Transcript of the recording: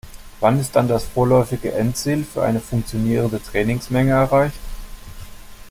Wann ist dann das vorläufige Endziel für eine funktionierende Trainingsmenge erreicht?